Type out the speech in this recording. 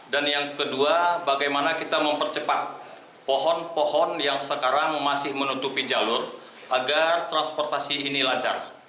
yang kedua bagaimana kita mempercepat pohon pohon yang sekarang masih menutupi jalur agar transportasi ini lancar